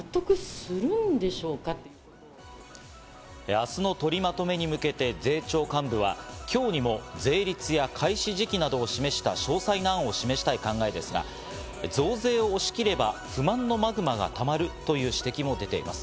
明日の取りまとめに向けて税調幹部は、今日にも税率や開始時期などを示した、詳細な案を示したい考えですが、増税を押し切れば、不満のマグマがたまるという指摘も出ています。